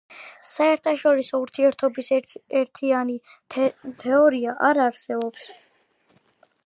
საერთაშორისო ურთიერთობების ერთიანი თეორია არ არსებობს.